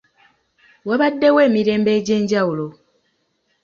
Wabaddewo emirembe egy’enjawulo.